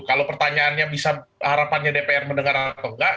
kalau pertanyaannya bisa harapannya dpr mendengar atau enggak